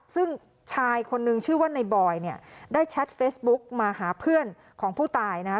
ซึ่งชายคนนึงชื่อว่าในบอยเนี่ยได้แชทเฟซบุ๊กมาหาเพื่อนของผู้ตายนะฮะ